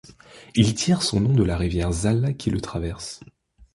Il tire son nom de la rivière Zala qui le traverse.